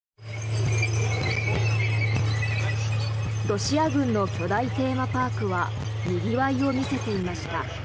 ロシア軍の巨大テーマパークはにぎわいを見せていました。